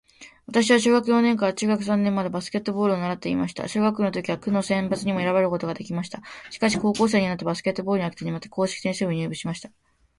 私は小学四年生から中学三年生までバスケットボールを習っていました。小学生の時は区の選抜にも選ばれることができました。しかし、高校生になってからバスケットボールに飽きてしまって硬式テニス部に入部しました。